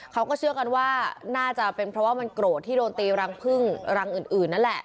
เขาก็เชื่อกันว่าน่าจะเป็นเพราะว่ามันโกรธที่โดนตีรังพึ่งรังอื่นนั่นแหละ